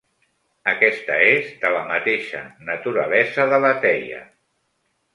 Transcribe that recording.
Aquesta és de la mateixa naturalesa de la teia.